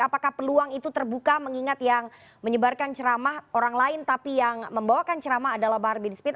apakah peluang itu terbuka mengingat yang menyebarkan ceramah orang lain tapi yang membawakan ceramah adalah bahar bin smith